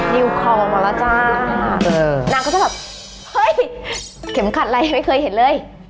นิวคอมาแล้วจ้านางก็จะแบบเฮ้ยเข็มขัดอะไรไม่เคยเห็นเลย